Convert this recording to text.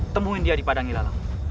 temuin dia di padang ilalang